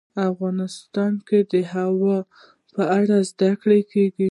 افغانستان کې د هوا په اړه زده کړه کېږي.